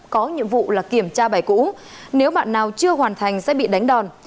có nhiệm vụ là kiểm tra bài cũ nếu bạn nào chưa hoàn thành sẽ bị đánh đòn